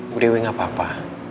bu dewi gak apa apa